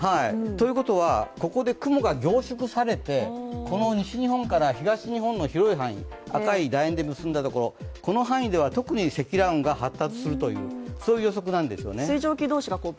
ということは、ここで雲が凝縮されてこの西日本から東日本の広い範囲、赤いだ円で結んだところこの範囲では特に積乱雲が発達するというそういう予測なんですよね。